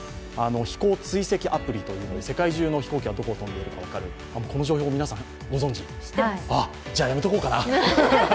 飛行追跡アプリというので世界中の飛行機がどこを飛んでいるか分かる、この情報、皆さんご存じ？じゃあやめておこうかな。